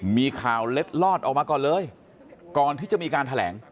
มีข่าวเล็ดลอดออกมาก่อนเลยก่อนที่จะมีการแถลง